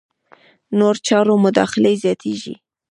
نورو چارو مداخلې زیاتېږي.